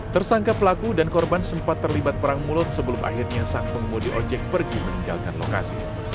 tersangka pelaku dan korban sempat terlibat perang mulut sebelum akhirnya sang pengemudi ojek pergi meninggalkan lokasi